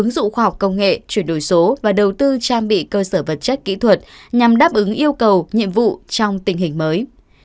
dụng khoa học công nghệ chuyển đổi số và đầu tư trang bị cơ sở vật chất kỹ thuật nhằm đáp ứng yêu cầu nhiệm vụ trong tình hình mới